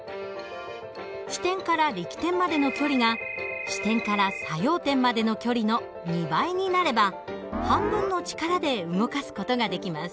支点から力点までの距離が支点から作用点までの距離の２倍になれば半分の力で動かす事ができます。